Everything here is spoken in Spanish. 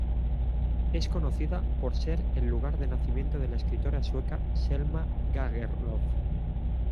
Es conocida por ser el lugar de nacimiento de la escritora sueca Selma Lagerlöf.